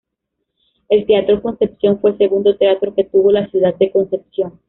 El Teatro Concepción fue el segundo teatro que tuvo la ciudad de Concepción.